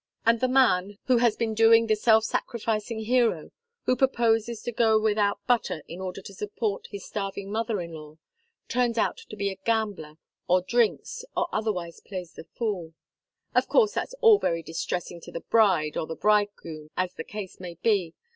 And the man, who has been doing the self sacrificing hero, who proposes to go without butter in order to support his starving mother in law, turns out to be a gambler or drinks, or otherwise plays the fool. Of course that's all very distressing to the bride or the bridegroom, as the case may be.